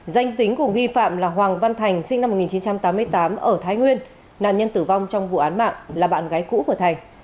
danh tính của nghi phạm là hoàng văn thành sinh năm một nghìn chín trăm tám mươi tám ở thái nguyên nạn nhân tử vong trong vụ án mạng là bạn gái cũ của thành